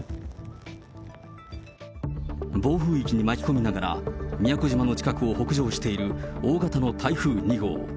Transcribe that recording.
暴風域に巻き込みながら宮古島の近くを北上している大型の台風２号。